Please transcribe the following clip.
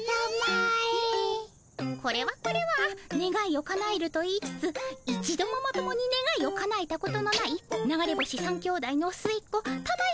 これはこれはねがいをかなえると言いつつ一度もまともにねがいをかなえたことのない流れ星３兄弟のすえっ子たまえさまではございませんか。